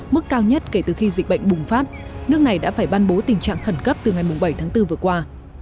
mức cao nhất kể từ khi dịch bệnh bùng phát nước này đã phải ban bố tình trạng khẩn cấp từ ngày bảy tháng bốn vừa qua